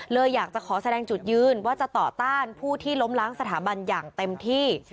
เลยอยากจะขอแสดงจุดยืนว่าจะต่อต้านผู้ที่ล้มล้างสถาบันอย่างเต็มที่